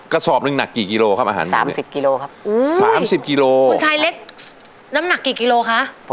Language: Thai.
กระสอบหนึ่งหนักกี่กิโลครับอาหารหมูสามสิบกิโลครับ